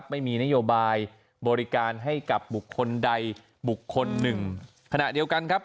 ไม่มีนโยบายบริการให้กับบุคคลใดบุคคลหนึ่งขณะเดียวกันครับ